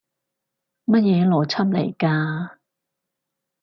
乜嘢邏輯嚟㗎？